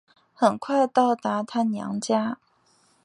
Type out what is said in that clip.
很快到达她娘家